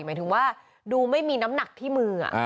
หมายถึงว่าดูไม่มีน้ำหนักที่มือ